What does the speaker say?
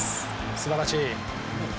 素晴らしい！